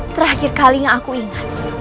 terakhir kalinya aku ingat